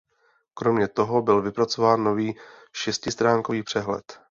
Kromě toho byl vypracován nový šestistránkový přehled.